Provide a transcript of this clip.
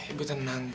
ibu tenang ibu